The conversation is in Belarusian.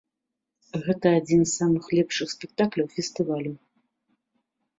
Гэта адзін з самых лепшых спектакляў фестывалю.